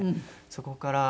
そこから。